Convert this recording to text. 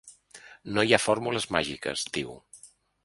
No hi ha fórmules màgiques, diu.